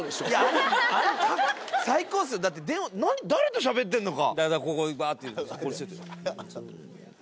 だって誰としゃべってんのか。